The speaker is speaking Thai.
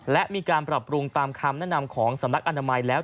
และมีการปรับปรุงตามคำแนะนำของสำนักอนามัยแล้ว